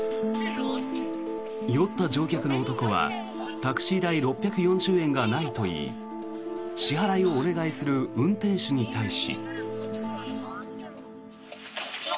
酔った乗客の男はタクシー代６４０円がないといい支払いをお願いする運転手に対し。